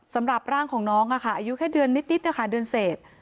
สำหรับร่างของน้องอายุแค่เดือนนิดนะคะเดือนเศษ